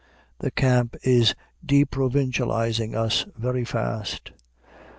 The camp is deprovincializing us very fast.